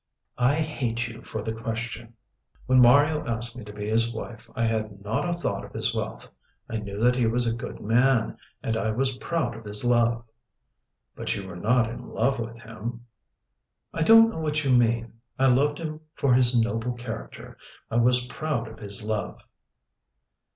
"I hate you for the question. When Mario asked me to be his wife I had not a thought of his wealth. I knew that he was a good man, and I was proud of his love." "But you were not in love with him?" "I don't know what you mean. I loved him for his noble character. I was proud of his love."